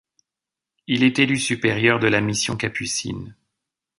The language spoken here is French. Il est élu supérieur de la mission capucine.